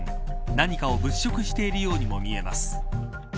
何かを物色しているようにも見えます。